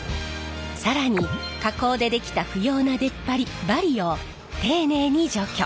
更に加工で出来た不要な出っ張りバリを丁寧に除去。